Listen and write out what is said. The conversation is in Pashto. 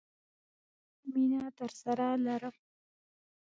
مینه درسره لرم!